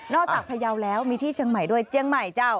จากพยาวแล้วมีที่เชียงใหม่ด้วยเชียงใหม่เจ้า